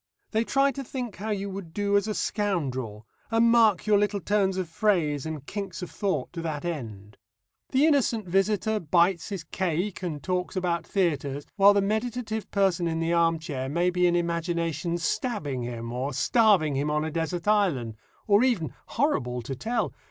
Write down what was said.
They try to think how you would do as a scoundrel, and mark your little turns of phrase and kinks of thought to that end. The innocent visitor bites his cake and talks about theatres, while the meditative person in the arm chair may be in imagination stabbing him, or starving him on a desert island, or even horrible to tell!